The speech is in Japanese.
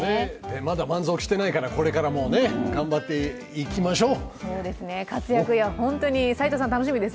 まだ満足していないから、これからも頑張っていきましょう。